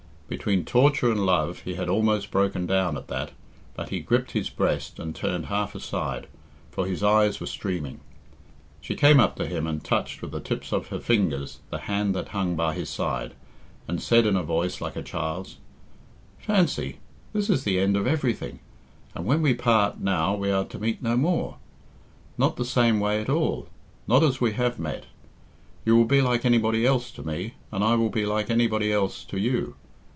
Between torture and love he had almost broken down at that, but he gripped his breast and turned half aside, for his eyes were streaming. She came up to him and touched with the tips of her fingers the hand that hung by his side, and said in a voice like a child's, "Fancy! this is the end of everything, and when we part now we are to meet no more. Not the same way at all not as we have met. You will be like anybody else to me, and I will be like anybody else to you.